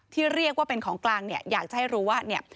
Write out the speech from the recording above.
ที่เรียกว่าเป็นของกลางเนี่ยอยากจะให้รู้ว่าเนี่ย